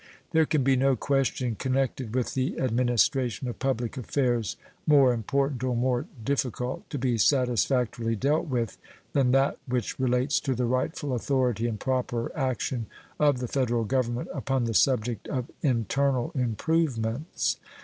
There can be no question connected with the administration of public affairs more important or more difficult to be satisfactorily dealt with than that which relates to the rightful authority and proper action of the Federal Government upon the subject of internal improvements.